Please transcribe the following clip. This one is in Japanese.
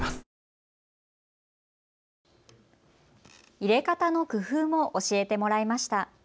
入れ方の工夫も教えてもらいました。